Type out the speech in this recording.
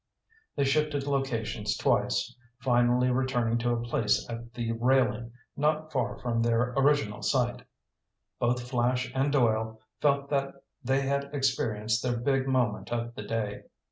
They shifted locations twice, finally returning to a place at the railing not far from their original site. Both Flash and Doyle felt that they had experienced their big moment of the day.